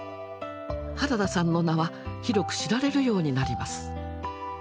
原田さんの名は広く知られるようになります。